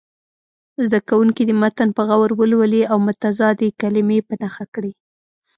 زده کوونکي دې متن په غور ولولي او متضادې کلمې په نښه کړي.